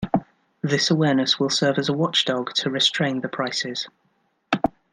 This awareness will serve as a watch dog to restrain the prices.